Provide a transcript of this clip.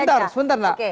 sebentar sebentar nak